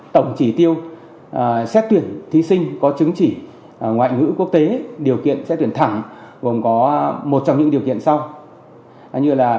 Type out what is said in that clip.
tổng chỉ tiêu xét tuyển thí sinh có chứng chỉ ngoại ngữ quốc tế điều kiện xét tuyển thẳng gồm có một trong những điều kiện sau